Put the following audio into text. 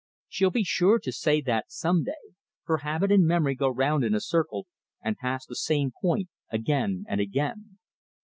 She'll be sure to say that some day, for habit and memory go round in a circle and pass the same point again and again.